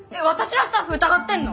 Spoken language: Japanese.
らスタッフ疑ってるの？